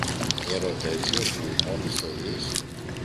δώρο τέτοιο που, μόλις το δεις